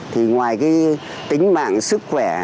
thì ngoài cái tính mạng sức khỏe